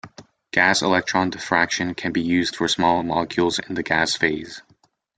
Gas electron diffraction can be used for small molecules in the gas phase.